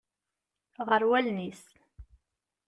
Ɣer wallen-is.